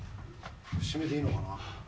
閉めていいのかな。